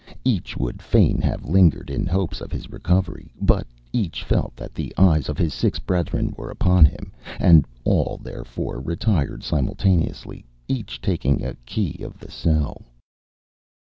Each would fain have lingered in hopes of his recovery, but each felt that the eyes of his six brethren were upon him: and all, therefore, retired simultaneously, each taking a key of the cell.